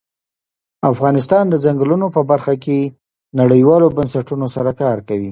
افغانستان د ځنګلونه په برخه کې نړیوالو بنسټونو سره کار کوي.